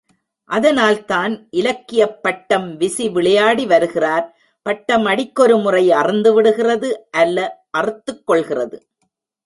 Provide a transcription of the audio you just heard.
அதனால்தான், இலக்கியப்பட்டம் விசி விளையாடிவருகிறார், பட்டம் அடிக்கொரு முறை அறுந்து விடுகிறது அல்ல, அறுத்துக் கொள்கிறது.